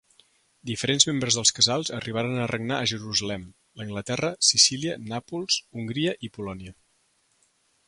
Diferents membres dels Casals arribaren a regnar a Jerusalem, l'Anglaterra, Sicília, Nàpols, Hongria i Polònia.